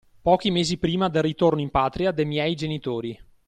Pochi mesi prima del ritorno in patria de' miei genitori